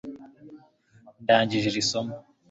ndangije iri somo